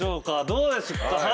どうですか？